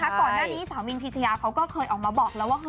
ก่อนหน้านี้สาวมินพีชยาเขาก็เคยออกมาบอกแล้วว่า